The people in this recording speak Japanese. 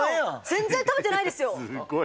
全然食べてないですよ！